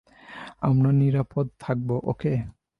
আমরা নিরাপদ থাকব, ওকে?